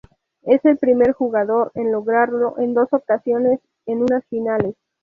Es el primer jugador en lograrlo en dos ocasiones en unas finales.